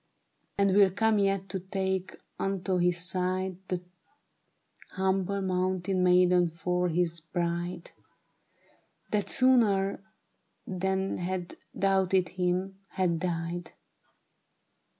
And will come yet to take unto his side The humble mountain maiden for his bride, That sooner than had doubted him, had died.'